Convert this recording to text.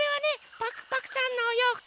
パクパクさんのおようふく。